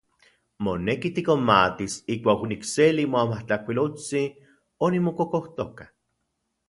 Moneki tikonmatis ijkuak onikseli moamatlajkuiloltsin onimokokojtoka.